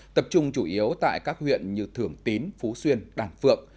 tập trung chủ yếu tại các huyện như thường tín phú xuyên đàng phượng